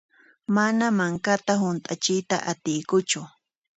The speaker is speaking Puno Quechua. Mana mankata hunt'achiyta atiykuchu.